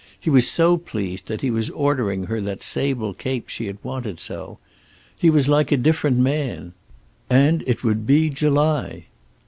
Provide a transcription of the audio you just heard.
He was so pleased that he was ordering her that sable cape she had wanted so. He was like a different man. And it would be July.